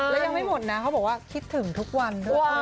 แล้วยังไม่หมดนะเขาบอกว่าคิดถึงทุกวันด้วย